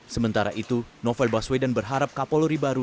sementara itu novel baswedan berharap kapolri baru